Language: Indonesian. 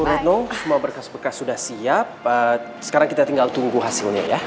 bu retno semua bekas bekas sudah siap sekarang kita tinggal tunggu hasilnya ya